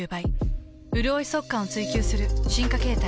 うるおい速乾を追求する進化形態。